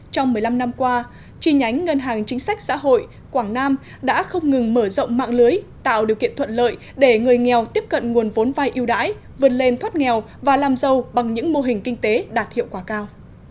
trong một mươi năm năm qua chi nhánh ngân hàng chính sách xã hội quảng nam đã không ngừng mở rộng mạng lưới tạo điều kiện thuận lợi để người nghèo tiếp cận nguồn vốn vai yêu đãi vươn lên thoát nghèo và làm giàu bằng những mô hình kinh tế đạt hiệu quả cao